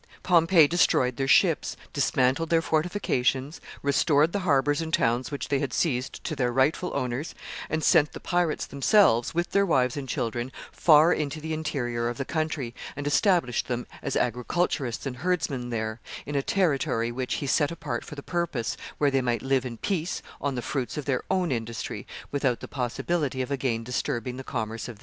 Pompey destroyed their ships, dismantled their fortifications, restored the harbors and towns which they had seized to their rightful owners, and sent the pirates themselves, with their wives and children, far into the interior of the country, and established them as agriculturists and herdsmen there, in a territory which he set apart for the purpose, where they might live in peace on the fruits of their own industry, without the possibility of again disturbing the commerce of the seas.